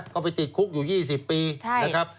ก็ไปติดคุกอยู่๒๐ปีนะครับ